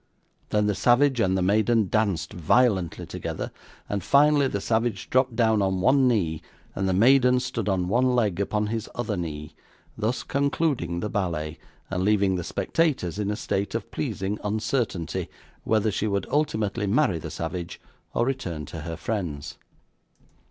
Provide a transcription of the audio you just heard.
Then the savage and the maiden danced violently together, and, finally, the savage dropped down on one knee, and the maiden stood on one leg upon his other knee; thus concluding the ballet, and leaving the spectators in a state of pleasing uncertainty, whether she would ultimately marry the savage, or return to her friends.